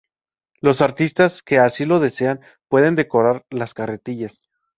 Los artistas que así lo deseen pueden decorar las carretillas.